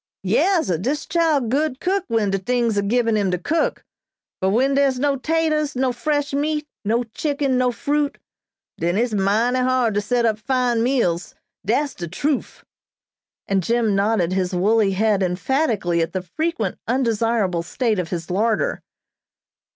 "Yas, sah, dis chile good cook when de tings are gibben him to cook, but when dere's no taters, no fresh meat, no chicken, no fruit, den it's mighty hard to set up fine meals. Dat's de truf!" and Jim nodded his woolly head emphatically at the frequent undesirable state of his larder.